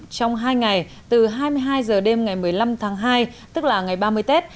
trong hai ngày từ hai mươi hai h đêm ngày một mươi năm tháng hai tức là ngày ba mươi tết